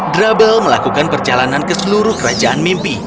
drubble melakukan perjalanan ke seluruh kerajaan mimpi